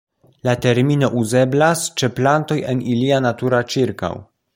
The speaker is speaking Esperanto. La termino uzeblas ĉe plantoj en ilia natura ĉirkaŭ.